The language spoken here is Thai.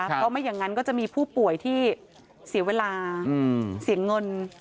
เพราะไม่อย่างนั้นก็จะมีผู้ป่วยที่เสียเวลาเสียเงิน